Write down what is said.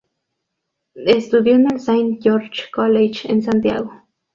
Estudió en el Saint George's College en Santiago.